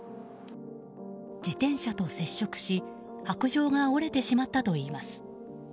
自転車と接触し白杖が折れてしまったといいます。